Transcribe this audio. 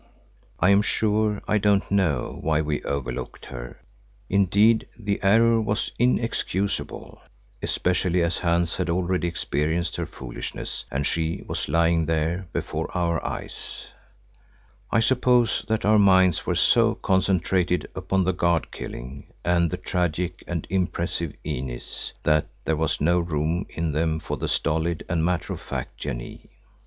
I am sure I don't know why we overlooked her; indeed, the error was inexcusable, especially as Hans had already experienced her foolishness and she was lying there before our eyes. I suppose that our minds were so concentrated upon the guard killing and the tragic and impressive Inez that there was no room in them for the stolid and matter of fact Janee.